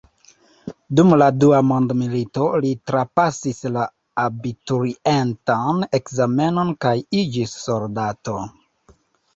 Dum la Dua mondmilito li trapasis la abiturientan ekzamenon kaj iĝis soldato.